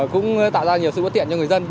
cũng tạo ra nhiều sự bất tiện cho người dân